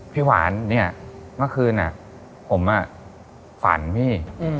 พี่หวานเนี่ยเมื่อคืนผมฝันพี่